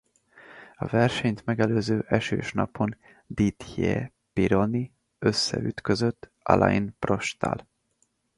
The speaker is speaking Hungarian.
A versenyt megelőző esős napon Didier Pironi összeütközött Alain Prosttal.